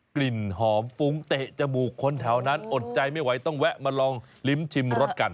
กลิ่นหอมฟุ้งเตะจมูกคนแถวนั้นอดใจไม่ไหวต้องแวะมาลองลิ้มชิมรสกัน